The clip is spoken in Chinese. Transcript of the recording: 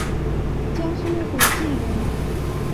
江苏武进人。